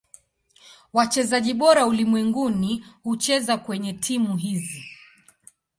Wachezaji bora ulimwenguni hucheza kwenye timu hizi.